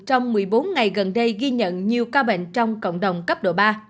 trong một mươi bốn ngày gần đây ghi nhận nhiều ca bệnh trong cộng đồng cấp độ ba